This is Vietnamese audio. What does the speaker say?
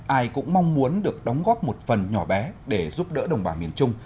ai cũng mong muốn được đóng góp một phần nhỏ bé để giúp đỡ đồng bào miền trung